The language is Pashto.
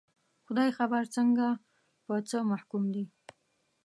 خدای خبر څنګه، په څه محکوم دي